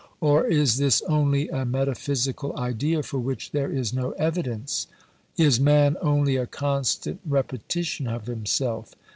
Or is this only a metaphysical idea for which there is no evidence? Is man only a constant repetition of himself?